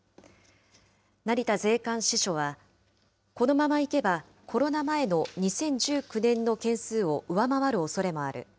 成田税関支署は、このままいけば、コロナ前の２０１９年の件数を上回るおそれもある。